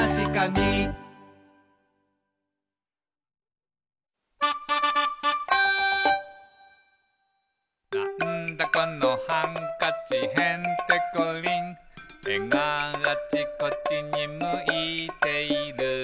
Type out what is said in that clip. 「なんだこのハンカチへんてこりん」「えがあちこちにむいている」